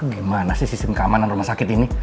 gimana sih sistem keamanan rumah sakit ini